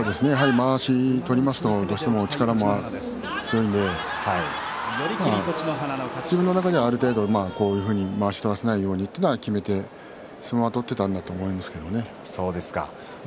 まわしを取るとどうしても力が強いので自分の中ではまわしを取らせないようにというのは決めて相撲を取っていたと思いますけれどね。